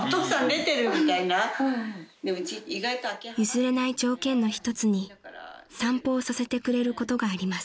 ［譲れない条件の一つに散歩をさせてくれることがあります］